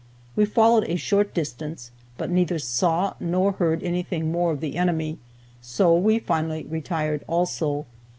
We followed a short distance, but neither saw nor heard anything more of the enemy, so we finally retired also.